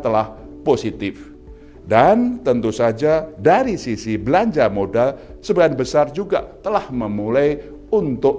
telah positif dan tentu saja dari sisi belanja modal sebagian besar juga telah memulai untuk